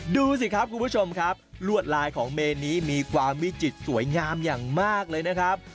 ดูสิครับคุณผู้ชมครับลวดลายของเมนนี้มีความวิจิตรสวยงามอย่างมากเลยนะครับ